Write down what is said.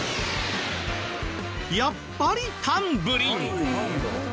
やっぱり「タンブリン」！